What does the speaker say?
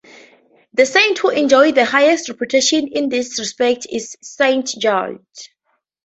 The saint who enjoys the highest reputation in this respect is St. George.